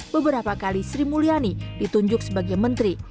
beberapa kali sri mulyani ditunjuk sebagai menteri